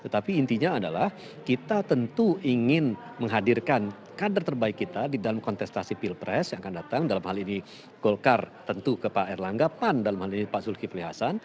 tetapi intinya adalah kita tentu ingin menghadirkan kader terbaik kita di dalam kontestasi pilpres yang akan datang dalam hal ini golkar tentu ke pak erlangga pan dalam hal ini pak zulkifli hasan